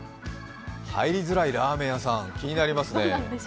入りづらいラーメン屋さん気になりますね。